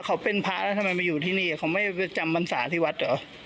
เขาเป็นพระแล้วทำไมมาอยู่ที่นี่เขาไม่ไปจำบรรษาที่วัดเหรอ